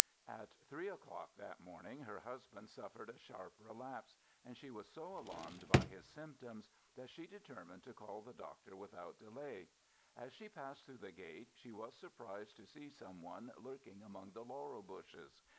At three o'clock that morning her husband suffered a sharp relapse, and she was so alarmed by his symptoms that she determined to call the doctor without delay. As she passed through the gate she was surprised to see some one lurking among the laurel bushes.